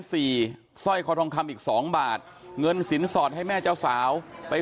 สร้อยคอทองคำอีกสองบาทเงินสินสอดให้แม่เจ้าสาวไป